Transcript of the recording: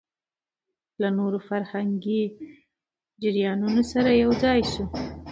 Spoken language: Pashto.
له نورو فرهنګي جريانونو سره يوځاى شو